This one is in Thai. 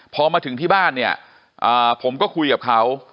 พอมาถึงที่บ้านเนี่ยผมก็คุยกับเขา